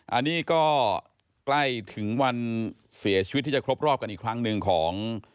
อันนี้ก็ใกล้ถึงวันเสียชีวิตที่จะครบรอบกันอีกครั้งหนึ่งของ